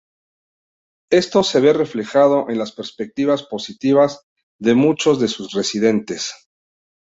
Esto se ve reflejado en las perspectivas positivas de muchos de sus residentes.